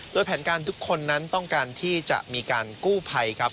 โดยแผนการทุกคนนั้นต้องการที่จะมีการกู้ภัยครับ